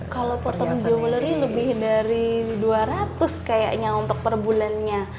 kalau portom jowellery lebih dari dua ratus kayaknya untuk per bulannya